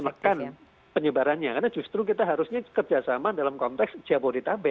untuk menekan penyebarannya karena justru kita harusnya kerjasama dalam konteks jab bodetabek